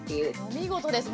見事ですね。